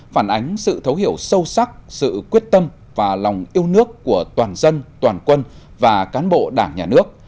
phản ánh sự thấu hiểu sâu sắc sự quyết tâm và lòng yêu nước của toàn dân toàn quân và cán bộ đảng nhà nước